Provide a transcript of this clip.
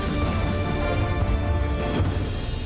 โปรดติดตามตอนต่อไป